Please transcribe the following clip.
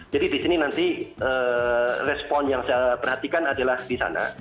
jadi di sini nanti respon yang saya perhatikan adalah di sana